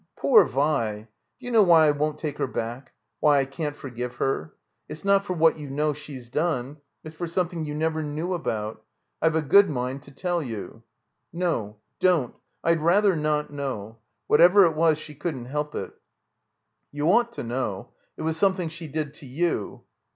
Poor Vi! D'you know why I won't take her back? Why I can't forgive her? It's not for what you know she's done. It's for something you never knew about. I've a good mind to tell you." "No — don't. I'd rather not know. Whatever it was, she cotddn't help it." "You ought to know. It was something she did to you."